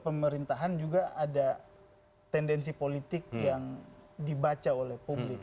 pemerintahan juga ada tendensi politik yang dibaca oleh publik